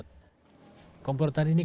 komplotan ini kemudian dikirim ke kota cianjur